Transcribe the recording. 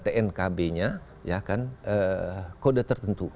satu tanda pada tnkb nya ya kan kode tertentu